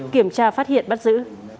kiểm tra phát hiện bắt giữ